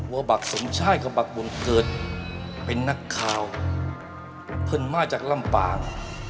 ว่าบักสมชายกับบักบุญเกิดเป็นนักข่าวเพื่อนมาจากลำปาง